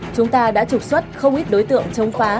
chúng ta đã trục xuất không ít đối tượng chống phá